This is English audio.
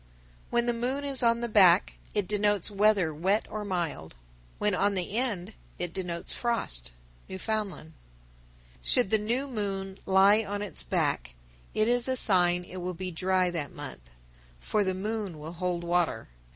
When the moon is on the back, it denotes weather wet or mild; when on the end, it denotes frost. Newfoundland. 991. Should the new moon lie on its back, it is a sign it will be dry that month, for the moon would hold water.